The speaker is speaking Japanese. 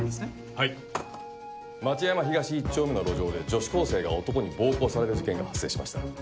はい町山東１丁目の路上で女子高生が男に暴行される事件が発生しました。